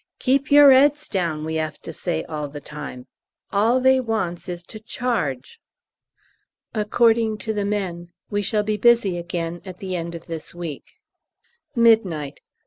'Keep your 'eads down!' we 'ave to say all the time. All they wants is to charge." According to the men, we shall be busy again at the end of this week. _Midnight.